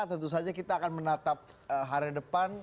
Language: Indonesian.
tentu saja kita akan menatap hari depan